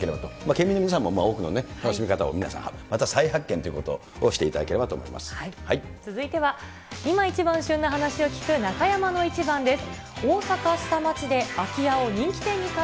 県民の皆さんも、また多くの楽しみ方を皆さんまた再発見というこ続いては、今一番旬な人に話を聞く、中山のイチバンです。